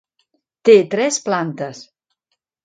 Té tres plantes.